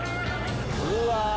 うわ。